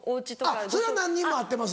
あっそれは何人も会ってます。